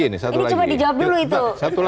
ini coba dijawab dulu itu